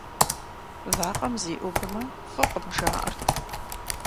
Вакъэм зиӀубмэ, фӀыкъым, жаӀэрт.